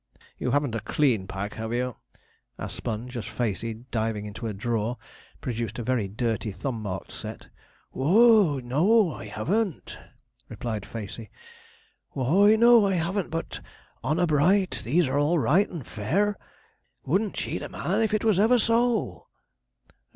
'You haven't a clean pack, have you?' asked Sponge, as Facey, diving into a drawer, produced a very dirty, thumb marked set. 'W h o y, no, I haven't,' replied Facey. 'W h o y, no, I haven't: but, honour bright, these are all right and fair. Wouldn't cheat a man, if it was ever so.'